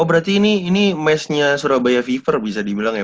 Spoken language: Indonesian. oh berarti ini meshnya surabaya fever bisa dibilang ya